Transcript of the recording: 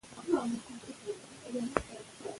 د بانکي حساب بیلانس په هر وخت کې لیدل کیدی شي.